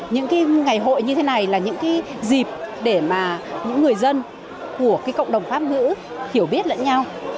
những ngày hội như thế này là những dịp để những người dân của cộng đồng pháp ngữ hiểu biết lẫn nhau